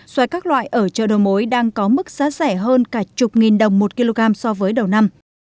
xoài các loại ở chợ đầu mối đang có mức giá rẻ hơn cả chục nghìn đồng một kg so với đầu năm